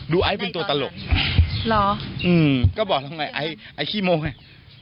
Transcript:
ดูไอซ์เป็นตัวตลกหรออืมก็บอกแล้วไอซ์ไอซ์ขี้โม้ไง